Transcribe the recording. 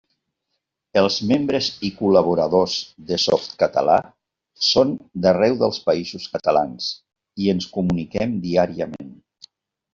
Els membres i col·laboradors de Softcatalà són d'arreu dels Països Catalans i ens comuniquem diàriament.